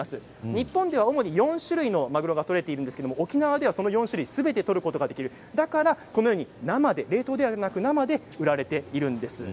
日本では主に４種類のマグロが取れていますが沖縄ではその４種類すべて取ることができるだから冷凍ではなく生で売られているんです。